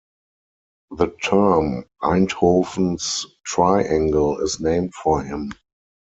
The term Einthoven's triangle is named for him.